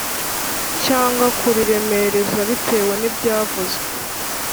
cyangwa kuriremereza bitewe n’ibyavuzwe